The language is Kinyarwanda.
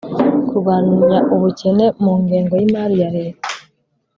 kurwanya ubukene mu ngengo y'imari ya leta